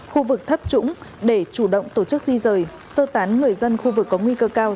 khu vực thấp trũng để chủ động tổ chức di rời sơ tán người dân khu vực có nguy cơ cao